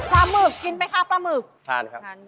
รู้ไหมคะ